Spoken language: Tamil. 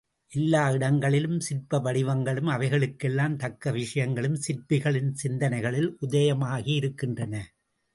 எல்லா இடங்களிலும் சிற்ப வடிவங்களும் அவைகளுக்கெல்லாம் தக்க விஷயங்களும் சிற்பிகளின் சிந்தனைகளில் உதயமாகியிருக்கின்றன.